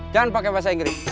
jangan pake bahasa inggris